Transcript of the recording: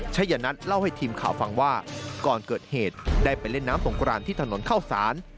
ชัยนัทเล่าให้ทีมข่าวฟังว่าก่อนเกิดเหตุได้ไปเล่นน้ำสงกรานที่ถนนเข้าสาร